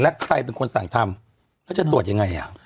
แล้วใครเป็นคนสั่งทำแล้วจะตรวจยังไงอ่ะ